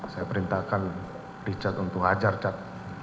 saya perintahkan richard untuk ajar chad